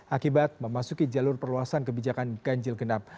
akibat memasuki jalur perluasan kebijakan ganjil genap